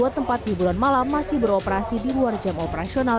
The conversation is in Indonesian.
dua tempat hiburan malam masih beroperasi di luar jam operasional